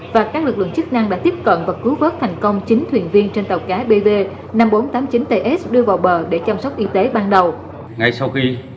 và các lực lượng chức năng đã tiếp cận và cứu vớt thành công chín thuyền viên trên tàu cá bv năm nghìn bốn trăm tám mươi chín ts đưa vào bờ để chăm sóc y tế ban đầu